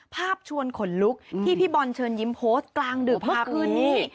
ภาพชวนขนลุกที่พี่บอลเชิญยิ้มโพสต์กลางดื่มภาพนี้